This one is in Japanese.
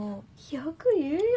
よく言うよ。